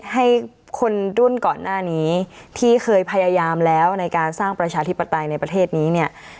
ให้คนรุ่นก่อนหน้านี้ที่เคยพยายามแล้วในการสร้างประชาธิปไตยในประเทศนี้เนี่ย